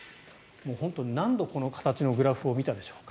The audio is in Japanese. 本当に何度この形のグラフを見たでしょうか。